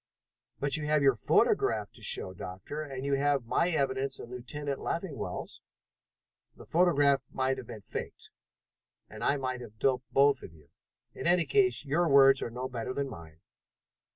"But you have your photograph to show, Doctor, and you have my evidence and Lieutenant Leffingwell's." "The photograph might have been faked and I might have doped both of you. In any case, your words are no better than mine.